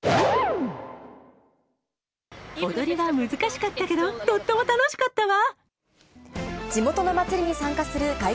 踊りは難しかったけど、とっても楽しかったわ。